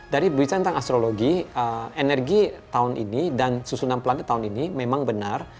dari berbicara tentang astrologi energi tahun ini dan susunan planet tahun ini memang benar